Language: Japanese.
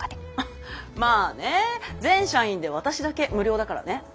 まあね全社員で私だけ無料だからね。